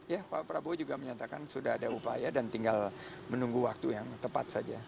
ya pak prabowo juga menyatakan sudah ada upaya dan tinggal menunggu waktu yang tepat saja